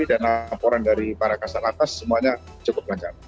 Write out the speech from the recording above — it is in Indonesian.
dan laporan dari para kasar atas semuanya cukup lancar